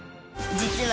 実は